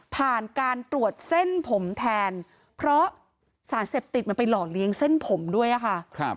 ผ่านการตรวจเส้นผมแทนเพราะสารเสพติดมันไปหล่อเลี้ยงเส้นผมด้วยค่ะ